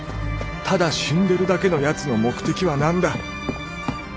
ただ死んでるだけのヤツの「目的」は何だ？